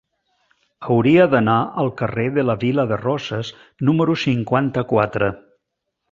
Hauria d'anar al carrer de la Vila de Roses número cinquanta-quatre.